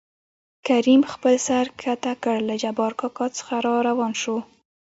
کريم خپل سر ښکته کړ له جبار کاکا څخه راوان شو.